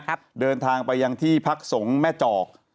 เดินทางไปยังที่พักสงฆ์แม่จอก